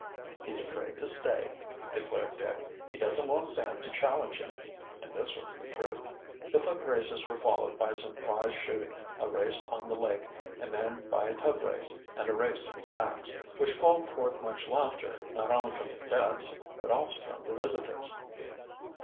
"He's afraid to stay," declared Dick. "He doesn't want Sam to challenge him," and this was the truth. The foot races were followed by some prize shooting, a race on the lake, and then by a tub race, and a race in sacks, which called forth much laughter, not only from the cadets, but also from the visitors.